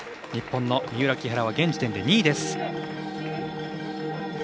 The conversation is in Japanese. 日本の三浦、木原は現時点で２位です。